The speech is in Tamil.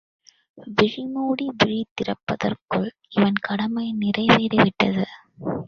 விழிமூடி விழி திறப்பதற்குள் அவன் கடமை நிறைவேறி விட்டது.